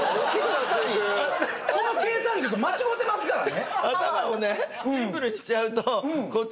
その計算間違ってますからね。